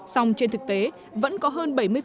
sông trên thực tế vẫn có hơn bảy mươi